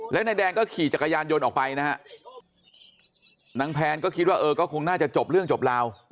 แล้วนายแดงก็ขี่จักรยานยนต์ออกไปนะฮะนางแพนก็คิดว่าเออก็คงน่าจะจบเรื่องจบราว